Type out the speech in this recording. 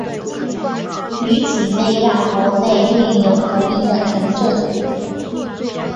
于几内亚国内另有同名城镇。